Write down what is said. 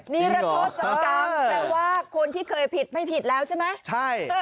นิรโทษกรรมแปลว่าคนที่เคยผิดไม่ผิดแล้วใช่ไหม